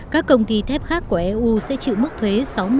các công ty thép khác của eu sẽ chịu mức thuế sáu mươi